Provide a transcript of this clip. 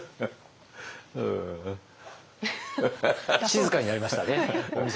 静かになりましたね。